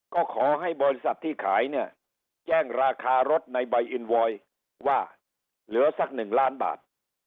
ก็ขอให้บริษัทที่ขายเนี่ยแจ้งราคารถในใบอินวอยว่าเหลือสัก๑ล้านบาท